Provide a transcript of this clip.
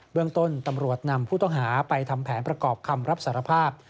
เรื่องต้นตำรวจนำผู้ต้องหาไปทำแผนประกอบคำรับสารภาพ